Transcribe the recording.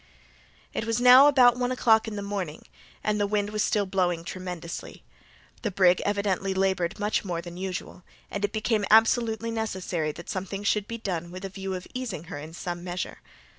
It was now about one o'clock in the morning, and the wind was still blowing tremendously. The brig evidently laboured much more than usual, and it became absolutely necessary that something should be done with a view of easing her in some measure.